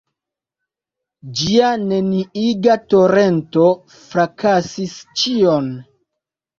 Ĝia neniiga torento frakasis ĉion.